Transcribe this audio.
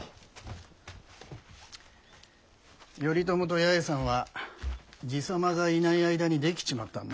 頼朝と八重さんは爺様がいない間にデキちまったんだ。